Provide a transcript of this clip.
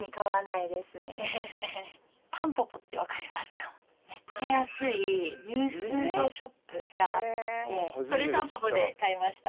家賃はめっちゃ安いユーズドショップがあってこれ「たんぽぽ」で買いました。